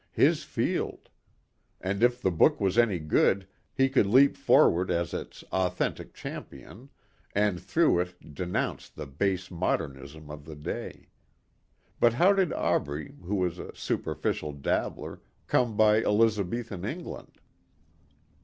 His field. And if the book was any good he could leap forward as its authentic champion and through it denounce the base modernism of the day. But how did Aubrey who was a superficial dabbler come by Elizabethan England?